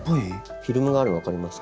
フィルムがあるの分かりますか？